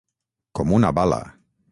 Com una bala.